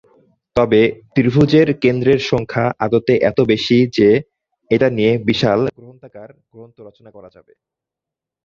তবে ত্রিভুজের কেন্দ্রের সংখ্যা আদতে এত বেশি যে এটা নিয়ে বিশালাকার গ্রন্থ রচনা করা যাবে।